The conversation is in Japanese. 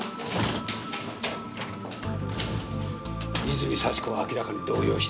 泉幸子は明らかに動揺していたな。